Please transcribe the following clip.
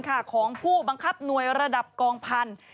ของผู้บังคับหน่วยระดับกองพันธุ์